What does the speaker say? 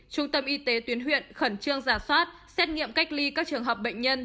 trung tâm y tế tuyến huyện khẩn trương giả soát xét nghiệm cách ly các trường hợp bệnh nhân